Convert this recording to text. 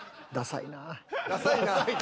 「ダサいなぁ」。